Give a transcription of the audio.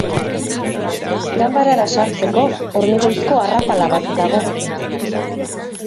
Ganbarara sartzeko hormigoizko arrapala bat dago.